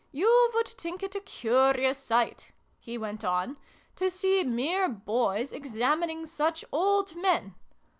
You would think it a curious sight," he went on, " to see mere boys examining such old men.